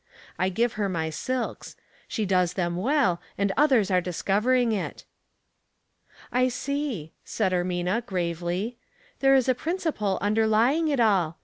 I give her my silks. She does them well, and others are discovering it." " I see," said Ermina, gravely. " There is a principle underlying it all.